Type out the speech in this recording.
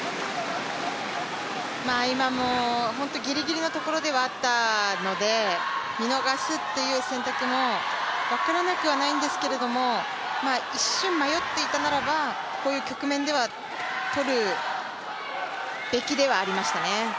今も本当にギリギリのところではあったので、見逃すという選択も分からなくはないんですけれども、一瞬迷っていたならばこういう局面ではとるべきではありましたね。